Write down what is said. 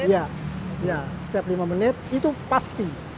iya setiap lima menit itu pasti